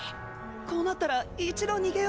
こうなったら一度逃げよう？